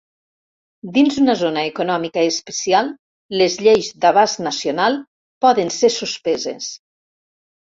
Dins una zona econòmica especial les lleis d'abast nacional poden ser suspeses.